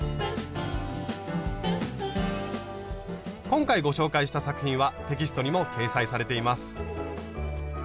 今回ご紹介した作品はテキストにも掲載されています。